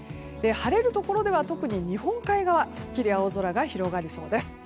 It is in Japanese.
晴れるところでは特に日本海側すっきり青空が広がりそうです。